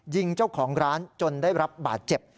ยิงเจ้าของร้านจนได้รับบาดเจ็บ